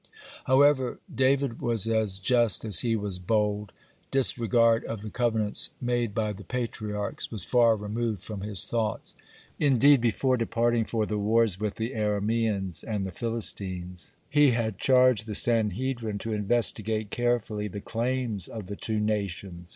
(58) However, David was as just as he was bold. Disregard of the covenants made by the Patriarchs was far removed from his thoughts. Indeed, before departing for the wars with the Arameans and the Philistines, he had charged the Sanhedrin to investigate carefully the claims of the two nations.